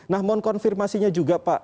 nah mohon konfirmasinya juga pak